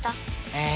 ええ。